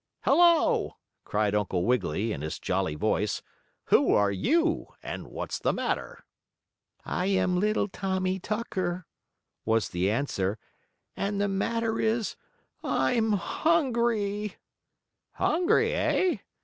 "Hello!" cried Uncle Wiggily, in his jolly voice. "Who are you, and what's the matter?" "I am Little Tommie Tucker," was the answer. "And the matter is I'm hungry." "Hungry, eh?"